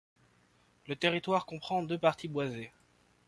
Le territoire comprend deux parties boisées.